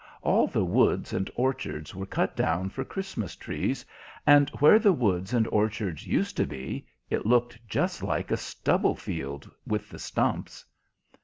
All the woods and orchards were cut down for Christmas trees, and where the woods and orchards used to be it looked just like a stubble field, with the stumps.